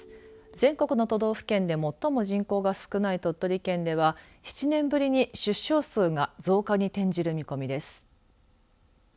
全国の都道府県で最も人口が少ない鳥取県では７年ぶりに出生数が増加に転じる見込みです。